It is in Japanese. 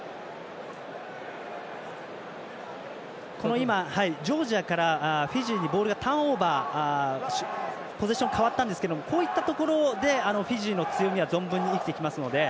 今、ジョージアからフィジーにボールがターンオーバーポゼッション変わったんですがこういったところでフィジーの強みは存分に生きてきますので。